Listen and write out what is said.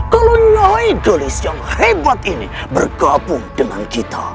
kalau nyai gulis yang hebat ini bergabung dengan kita